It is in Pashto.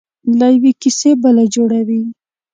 له یوې کیسې بله جوړوي.